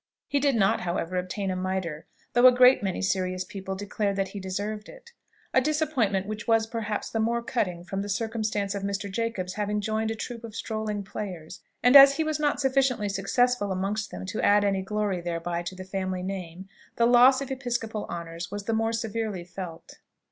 He did not, however, obtain a mitre, though a great many serious people declared that he deserved it: a disappointment which was perhaps the more cutting from the circumstance of Mr. Jacob's having joined a troop of strolling players; and as he was not sufficiently successful amongst them to add any glory thereby to the family name, the loss of episcopal honours was the more severely felt.